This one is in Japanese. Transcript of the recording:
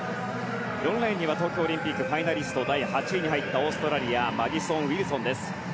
４レーンには東京オリンピックファイナリスト第８位に入ったオーストラリアマディソン・ウィルソンです。